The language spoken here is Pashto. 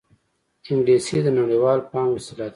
انګلیسي د نړيوال فهم وسیله ده